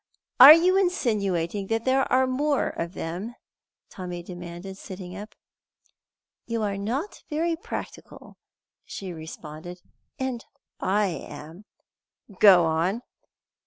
"Are you insinuating that there are more of them?" Tommy demanded, sitting up. "You are not very practical," she responded, "and I am." "Go on."